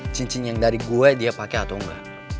cincin yang dari gue dia pake atau engga